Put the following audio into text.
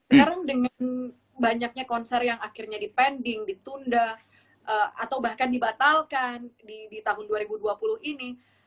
sekarang dengan banyaknya konser yang akhirnya dipending ditunda atau bahkan dibatalkan di tahun dua ribu dua puluh ini